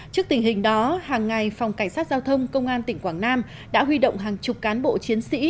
trước tình hình đó hàng ngày phòng cảnh sát giao thông công an tỉnh quảng nam đã huy động hàng chục cán bộ chiến sĩ